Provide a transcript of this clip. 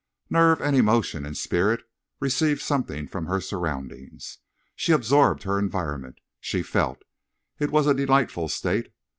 Nerve and emotion and spirit received something from her surroundings. She absorbed her environment. She felt. It was a delightful state.